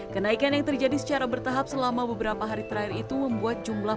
kenaikan yang terjadi secara bertahap selama beberapa hari terakhir itu membuat jumlah